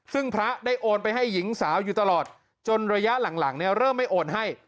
ซึ่งพระได้โอนไปให้หญิงสาวอยู่ตลอดจนระยะหลังเนี่ยเริ่มไม่โอนให้